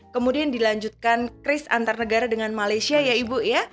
kemudian dilanjutkan kris antar negara dengan malaysia ya ibu ya